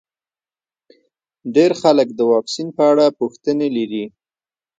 ډېر خلک د واکسین په اړه پوښتنې لري.